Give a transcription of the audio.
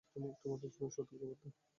তোমাদের জন্য সতর্কবার্তা।